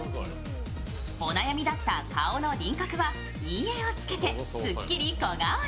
お悩みだった顔の輪郭は陰影をつけてすっきり小顔に。